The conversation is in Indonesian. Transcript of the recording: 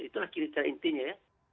itulah kira kira intinya ya